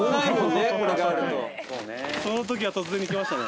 そのときは突然にきましたね。